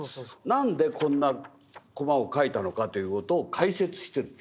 何でこんなコマを描いたのかという事を解説してるの。